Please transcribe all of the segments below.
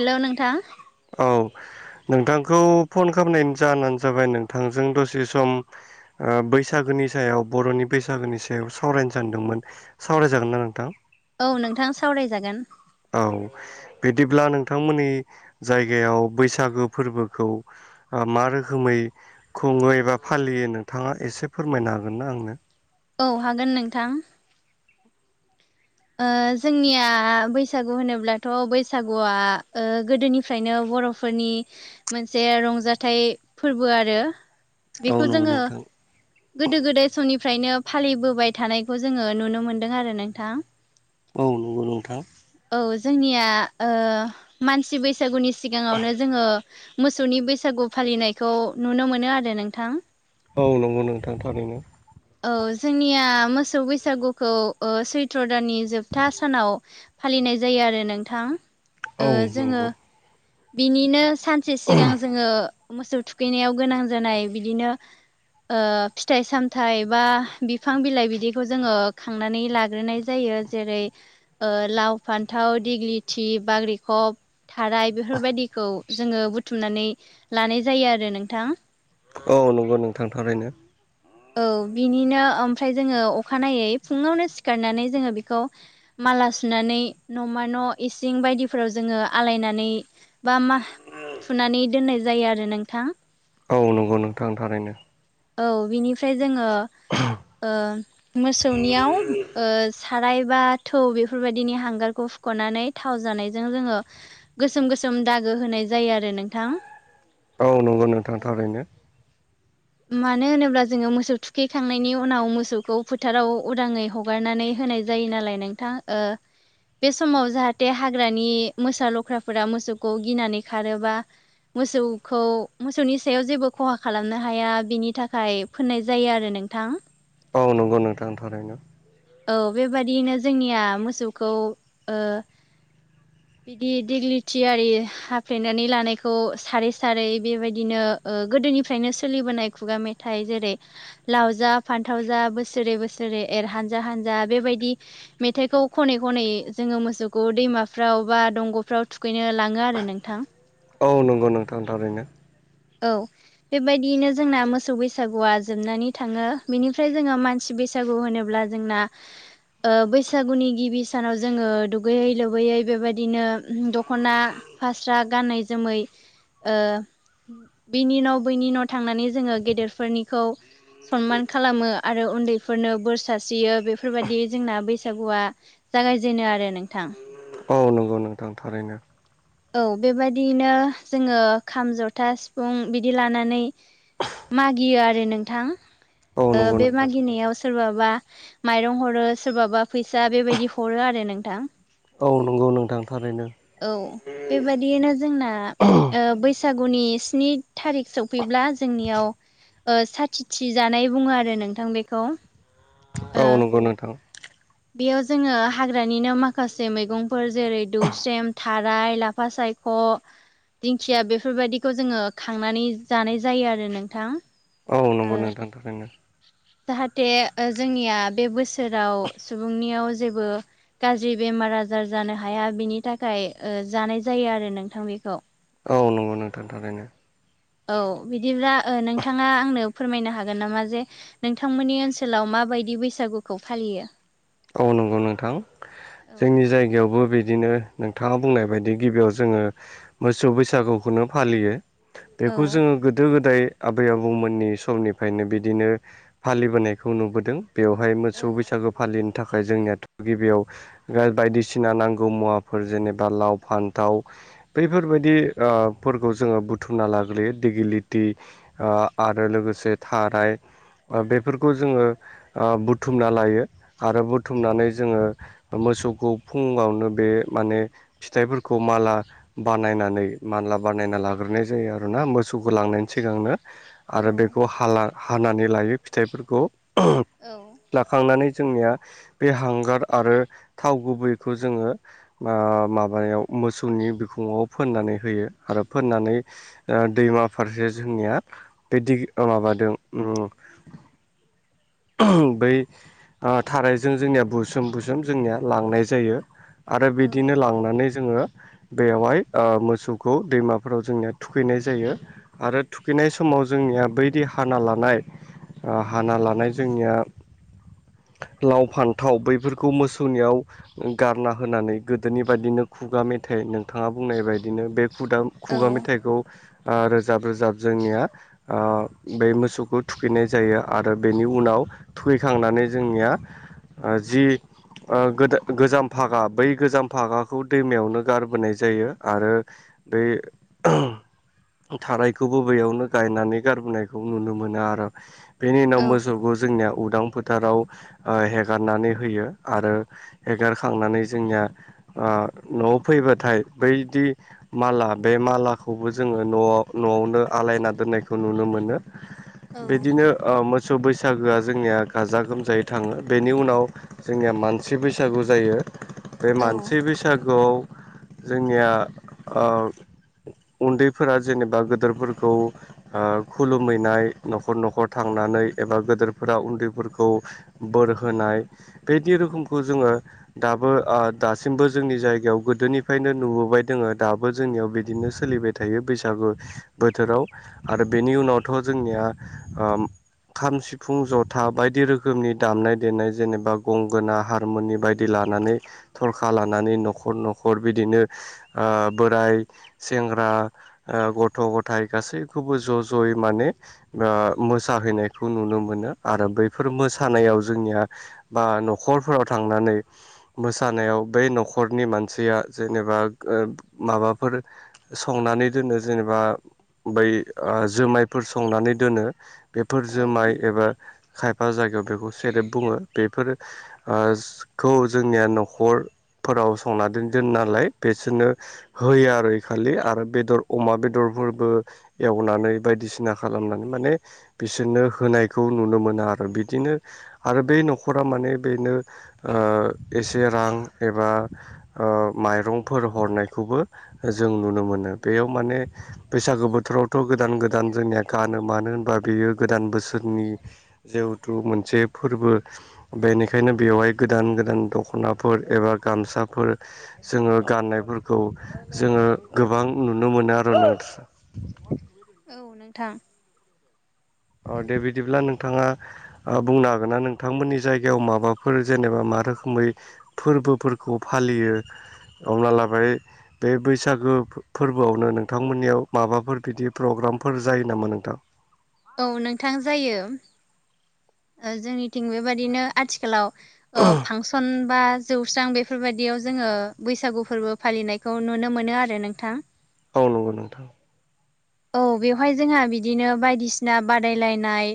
Hello नोंथां। औ नोंथांखौ फन खालामनाय जानो जाबाय नोंथांजों दसे सम बैसागोनि सायाव बर'नि बैसागोनि सायाव सावरायनो सानदोंमोन। सावरायजागोन ना नोंथां? औ नोंथां सावरायजागोन। औ बिदिब्ला नोंथांमोननि जायगायाव बैसागु फोरबोखौ मा रोखोमै खुङो एबा फालियो नोंथाङा एसे फोरमायनो हागोन ना आंनो? औ हागोन नोंथां। ओ जोंनिया बैसागु होनोब्लाथ' बैसागुआ ओ गोदोनिफ्रायनो बर' फोरनि मोनसे रंजाथाइ फोरबो आरो। औ बेखौ नंगौ जोङो नोंथां गोदो गोदाय समनिफ्रायनो फालिबोबाय थानायखौ जोङो नुनो मोनदों आरो नोंथां। औ नंगौ नोंथां औ जोंनिया मानसि बैसागुनि सिगाङावनो जोङो मोसौनि बैसागु फालिनायखौ नुनो मोनो आरो नोंथां। औ नंगौ नोंथां थारैनो। औ जोंनिया मोसौ बैसागुखौ सैत्र' दाननि जोबथा सानाव फालिनाय जायो आरो नोंथां। ओ औ जोङो नंगौ। बिनिनो सानसे सिगां जोङो मोसौ थुखैनायाव गोनां जानाय बिदिनो ओ फिथाइ सामथाइ बा बिफां बिलाइ बिदिखौ जोङो खांनानै लाग्रोनाय जायो। जेरै ओ लाव फान्थाव दिग्लिथि बाग्रिखब थाराय बेफोरबायाददिखौ जोङो बुथुमनानै लानाय जायो आरो नोंथां। औ नंगौ नोंथां थारैनो। औ बिनिनो ओमफ्राय जोङो अखानायै फुङावनो सिखारनानै जोङो खौ माला सुनानै न'मा न' इसिं बायदिफोराव जोङो आलायनानै बा मा थुनानै दोननाय जायो आरो नोंथां। औ नंगौ नोंथां थारैनो। औ बिनिफ्राय जोङो ओ मोसौनियाव ओ साराय बा थौ बेफोरबायदिनि हांगारखौ फुख'नानै थाव जानायजों जोङो गोसोम गोसोम दागो होनाय जायो आरो नोंथां। औ नंगौ नोंथां थारैनो। मानो होनोब्ला जोङो मोसौ थुखैखांनायनि उनाव मोसौखौ फोथाराव उदाङै ह गारनानै होनाय जायो नालाय नोंथां ओ बे समाव जाहाटे हाग्रानि मोसा लख्राफोरा मोसौखौ गिनानै खारो बा मोसौखौ मोसौनि सायाव जेबो खहा खालामनो हाया बिनि थाखाय फोननाय जायो आरो नोंथां। औ नंगौ नोंथां थारैनो। औ बेबादियैनो जोंनिया मोसौखौ ओ [inaudible] बिदि दिगलिथियारि हाफ्लेनानै लानायखौ सारै सारै बेबायदिनो ओ गोदोनिफ्रायनो सोलिबोनाय खुगा मेथाइ जेरै लावजा फान्थाव जा बोसोरै बोसोरै एर हानजा हानजा बेबायदि मेथाइखौ खनै खनै जोङो मोसौखौ दैमाफ्राव बा दंग'फ्राव थुखैनो लाङो आरो नोंथां। औ नंगौ नोंथां थारैनो। औ बेबायदियैनो जोंना मोसौ बैसागुआ जोबनानै थाङो बेनिफ्राय जोङो मानसि बैसा बैसागु होनोब्ला जोंना ओ बैसागुनि गिबि सानाव जोङो दुगैयै लोबैयै बेबायदिनो दख'ना फास्रा गानै जोमै बिनि न' बैनि न' थांनानै जोङो गेदेरफोरनिखौ सनमान खालामो आरो उन्दैफोरनो बोर सारस्रियो बेफोरबायदि जोंना बैसागुआ जागायजेनो आरो नोंथां। औ नंगौ नोंथां थारैनो। औ, बेबायदियैनो जोङो खाम जथा सिफुं बिदि लानानै मागियो आरो नोंथां औ नंगौ बे ओ नोंथां थारैनो मागिनायाव सोरबाबा माइरं हरो सोरबाबा फैसा बेबायदि हरो आरो नोंथां। औ नंगौ नोंथां थारैनो। औ बेबादियैनो जोंना ओ बैसागुनि स्नि थारिख सफैब्ला जोंनियाव ओ साथिथि जानाय बुङो आरो नोंथां बेखौ। औ नंगौ नोंथां। बेयाव जोङो हाग्रानिनो माखासे मैगंफोर जेरै दौस्रेम थाराय ला फा सायख' दिंखिया बेफोरबायदिखौ जोङो खांनानै जानाय जायो आरो नोंथां। औ नंगौ नोंथां थारैनो। जाहाटे ओ जोंनिया बे बोसोराव सुबुंनियाव जेबो गाज्रि बेमार आजार जानो हाया बिनि थाखाय ओ जानाय जायो आरो नोंथां बेखौ। औ नंगौ नोंथां थारैनो। औ बिदिब्ला ओ नोंथाङा आंनो फोरमायनो हागोन नामा जे नोंथांमोननि ओनसोलाव माबायदि बैसागुखौ फालियो? औ नंगौ नोंथां। औ जोंनि जायगायावबो बिदिनो नोंथाङा बुंनाय बायदि गिबियाव जोङो मोसौ बैसागुखौनो फालियो बेखौ औ जोङो गोदो गोदाय आबै आबौमोननि समनिफायनो बिदिनो फालिबोनायखौ नुबोदों। बेवहाय मोसौ औ बैसागो फालिनो थाखाय जोंनियाथ' गिबियाव बायदिसिना नांगौ मुवाफोर जेनेबा लाव, फान्थाव बैफोरबायदि फोरफोरखौ ओ जोङो बुथुमना लाग्रोयो दिगिलिटि ओ आरो लोगोसे थाराय ओ बेफोरखौ जोङो ओ बुथुमना लायो। आरो बुथुमनानै औ जोङो मोसौखौ फुङावनो बे माने फिथाइफोरखौ माला बानायनानै मानला बानायना लाग्रोनाय जायो आरोना मोसौखौ लांनायनि सिगांनो। आरो औ बेखौ [unintelligible] हानानै लायो फिथाइफोरखौ [unintelligible] औ। लाखांनानै जोंनिया बे हांगार आरो थाव गुबैखौ जोङो माबायाव मोसौनि बिखङाव फोननानै होयो आरो फोननानै ओ दैमा फारसे जोंनिया [unintelligible] माबादों [unintelligible] [unintelligible] बै ओ थाराइजों जोंनिया बुसोम बुसोम जोंनिया लांनाय जायो। आरो बिदिनो लांनानै जोङो। बेयावहाय मोसौखौ दैमाफोराव जोंनिया थुखैनाय जायो। आरो थुखैनाय समाव जोंनिया बैदि हाना लानाय हाना लानाय जोंनिया लाव, फान्थाव बैफोरखौ मोसौनियाव गारना होनानै गोदोनि बायदिनो खुगा मेथाइ नोंथाङा बुंनाय बायदिनो बे खुदा खुगा मेथाइखौ ओ रोजाब रोजाब जोंनिया ओ बे मोसौखौ थुखैनाय जायो आरो बेनि उनाव थुखैखांनानै जोंनिया ओ जि ओ [unintelligible] गोजाम फागा बै गोजाम भागाखौ दैमायावनो गारबोनाय जायो आरो दै [unintelligible] थारायखौबो बैयावनो गायनानै गारबोनायखौ नुनो मोनो आरो। बेनि उनाव मोसौखौ जोंनिया उदां फोथाराव ओ हेगारनानै होयो आरो हेगारखांनानै जोंनिया ओ न'आव फैबाथाय बैदि माला बे मालाखौबो जोङो न'आव न'आवनो आलायना दोननायखौ नुनो मोनो। बिदिनो ओ मोसौ बैसागोआ जोंनिया गाजा गोमजायै थाङो बेनि उनाव जोंनिया मानसि बैसागु जायो। बे औ मानसि बैसागुआव जोंनिया ओ उन्दैफोरा जेनेबा गोदोरफोरखौ ओ खुलुमहैनाय न'खर न'खर थांनानै एबा गदोरफोरा उन्दैफोरखौ बोर होनाय बेदि रोखोमखौ जोङो दाबो ओ दासिमबो जोंनि जायगायाव गोदोनिफ्रायनो नुबोबाय दोङो दाबो जोंनियाव बिदिनो सोलिबाय। थायो बैसागु बोथोराव आरो बेनि उनावथ' जोंनिया ओ खाम, सिफुं, जथा बायदि रोखोमनि दामनाय देनाय जेनेबा गंगोना हारमुनि बायदि लानानै थरखा लानानै न'खर न'खर बिदिनो ओ बोराय सेंग्रा ओ गथ' गथाय गासैखौबो ज' ज'यै माने ओ मोसाहैनायखौ नुनो मोनो आरो बैफोर [unintelligible] थानायाव जोंनिया बा न'खरफोराव थांनानै मोसानायाव बै न'खरनि मानसिया जेनेबा [unintelligible] माबाफोर संनानै दोनो जेनेबा बै ओ जुमायफोर संनानै दोनो। बेफोर औ जोमाइ एबा खायफा जायगायाव बेखौ सेरेब बुङो बेफोर [unintelligible] जोंनिया न'खरफोराव संनानै दोन दोन नालाय बिसोरनो होयो आरो ए खालि आरो बेदर अमा बेदरफोरबो एवनानै बायदिसिना खालामनानै माने बिसोरनो होनायखौ नुनो मोनो आरो बिदिनो आरो बै न'खरा माने बेनो ओ एसे रां एबा ओ माइरंफोर हरनायखौबो जों नुनो मोनो बेयाव माने बैसागो बोथोरावथ' गोदान गोदान जोंनिया गानो मानो होनबा बेयो गोदान बोसोरनि जेहुथु मोनसे फोरबो बेनिखायनो बेवहाय गोदान गोदान दख'नाफोर एबा गामसाफोर जोङो गाननायफोरखौ जोङो गोबां नुनो मोनो आरो न [inaudible] औ नोंथां अ दे बिदिब्ला नोंथाङा ओ बुंनो हागोना नोंथांमोननि जायगायाव माबाफोर जेनेबा मा रोखोमै फोरबोफोरखौ फालियो अब्ला लाबाय बे बैसागो फोरबोआवनो नोंथांमोननियाव माबाफोर बिदि प्रग्रामफोर जायो नामा नोंथां? औ नोंथां जायो जोंनिथिं बेबादिनो आथिखालाव ओ फांसन बा जौस्रां बेफोरबायदियाव जोङो बैसागु फोरबो फालिनायखौ नुनो मोनो आरो नोंथां। औ नंगौ नोंथां औ बेवहाय जोंहा बिदिनो बायदिसिना बादायलायनाय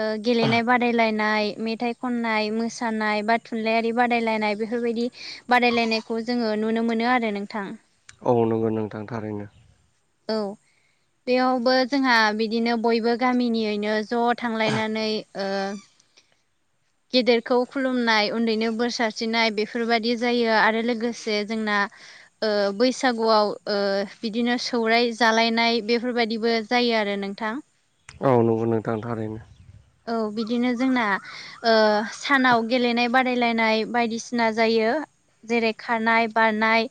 ओ गेलेनाय बादायलायनाय नाय मेथाइ खननाय मोसानाय बा थुनलाइयारि बादायलायनाय बेफोरबायदि बादायलायनायखौ जोङो नुनो मोनो आरो नोंथां। औ नंगौ नोंथां थारैनो‌ औ बेयावबो जोंहा बिदिनो बयबो गामिनियैनो ज' थांलायनानै ओ गेदेरखौ खुलुमनाय उन्दैनो बोर सारस्रिनाय बेफोरबायदि जायो आरो लोगोसे जोंना ओ बैसागुआव ओ बिदिनो सौराय जालायनाय बेफोरबायाददिबो जायो आरो नोंथां औ नंगौ नोंथां थारैनो औ बिदिनो जोंना ओ सानाव गेलेनाय बादायलायनाय बायदिसिना जायो। जेरै खारनाय बारनाय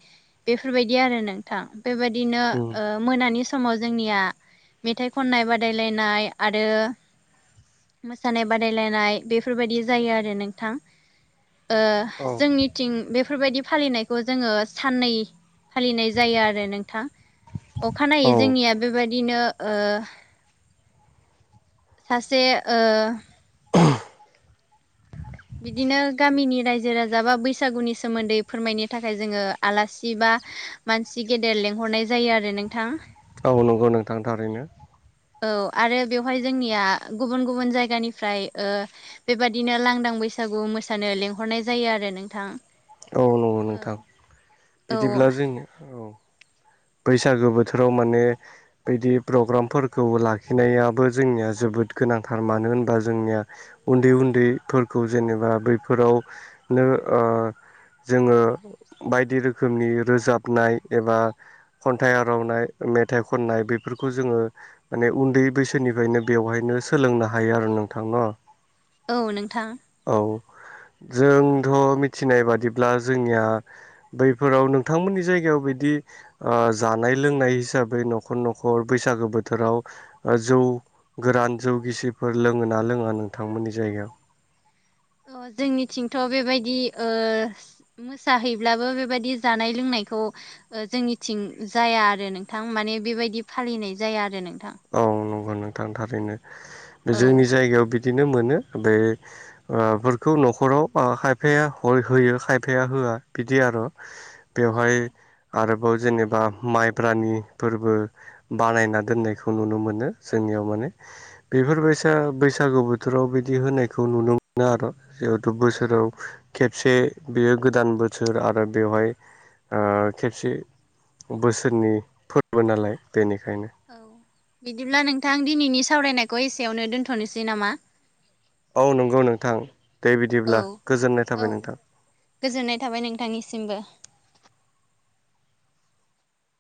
बेफोरबायदि आरो नोंथां बेबायदिनो उम ओ मोनानि समाव जोंनिया मेथाइ खननाय बादायलायनाय आरो मोसानाय बादायलायनाय बेफोरबायदि जायो आरो नोंथां ओ औ जोंनिथिं बेफोरबायदि फालिनायखौ जोङो साननै फालिनाय जायो आरो नोंथां औ अखानायै जोंनिया बेबायदिनो ओ सासे ओ बिदिनो गामिनि रायजो राजा बा बैसागुनि सोमोन्दै फोरमायनो थाखाय जोङो आलासि बा मानसि गेदेर लेंंहरनाय जायो आरो नोंथां। औ नंगौ नोंथांनि थारैनो औ आरो बेवहाय जोंनिया गुबुन गुबुन जायगानिफ्राय ओ बेबादिनो लांदां बैसागु मोसानो लेंंहरनाय जायो आरो नोंथां [unintelligible] औ नोंथां औ बिदिब्ला जों औ बैसागो बोथोराव माने बिदि प्रग्रामफोरखौ लाखिनायाबो जोंनिया जोबोद गोनांथार मानो होनबा जोंनिया उन्दै उन्दैफोरखौ जेनेबा बैफोरावनो ओ जोङो बायदि रोखोमनि रोजाबनाय एबा खन्थाइ आरावनाय मेथाइ खननाय बेफोरखौ जोङो माने उन्दै बैसोनिफ्रायनो बेवहायनो सोलोंनो हायो आरो नोंथां न औ नोंथां औ औ जोंथ' मिथिनाय बादिब्ला जोंनिया बैफोराव नोंथांमोननि जायगायाव बिदि जानाय लोंनाय हिसाबै न'खर न'खर बैसागो बोथोराव ओ जौ गोरान जौ गिसिफोर लोङो ना लोङा नोंथांमोननि जायगायाव? अ जोंनिथिंथ' बेबायदि ओ मोसाहैब्लाबो बेबायदि जानाय लोंनायखौ ओ जोंनिथिं जाया आरो नोंथां माने बेबायदि फालिनाय जाया आरो नोंथां। औ नंगौ नोंथां थारैनो। बे औ जोंनि जायगायाव बिदिनो मोनो बे ओ फोरखौ न'खराव खायफाया होयो खायफाया होआ बिदि आर'। औ बेवहाय आरोबाव जेनेबा माइब्रानि फोरबो बानायना दोननायखौ नुनो मोनो जोंनियाव माने बेफोरबायसा बैसागु बोथोराव बिदि होनायखौ नुनो मोनो आरो जिहेथु औ बोसोराव खेबसे बेयो गोदान बोसोर आरो बेवहाय ओ खेबसे बोसोरनि फोर्बो नालाय बेनिखायनो। औ बिदिब्ला नोंथां दिनैनि सावरायनायखौ एसेयावनो दोन्थ'नोसै नामा? औ नंगौ नोंथां दे औ बिदिब्ला गोजोननाय औ थाबाय नोंथां। गोजोननाय थाबाय नोंथांनिसिमबो।